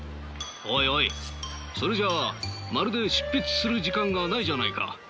おいおいそれじゃあまるで執筆する時間がないじゃないか。